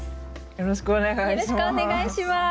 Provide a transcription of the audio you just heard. よろしくお願いします。